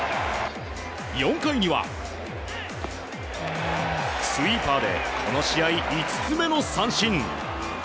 ４回には、スイーパーでこの試合５つ目の三振。